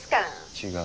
違う。